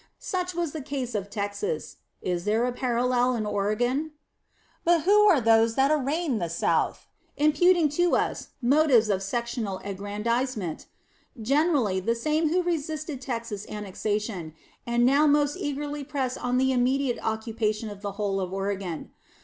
Such was the case of Texas; is there a parallel in Oregon? But who are those that arraign the South, imputing to us motives of sectional aggrandizement? Generally, the same who resisted Texas annexation, and now most eagerly press on the immediate occupation of the whole of Oregon.